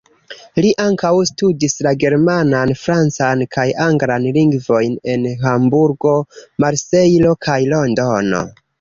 Li ankaŭ studis la germanan, francan kaj anglan lingvojn en Hamburgo, Marsejlo kaj Londono.